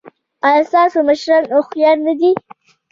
ایا ستاسو مشران هوښیار نه دي؟